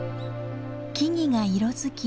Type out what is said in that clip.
木々が色づき